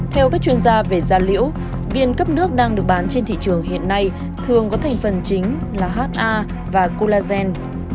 theo các chuyên gia về da liễu viên cấp nước đang được bán trên thị trường hiện nay thường có thành phần chính là ha và culazen